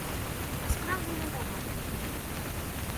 А страв було багато.